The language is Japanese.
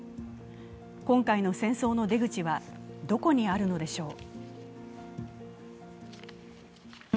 今回の戦争の出口は、どこにあるのでしょう。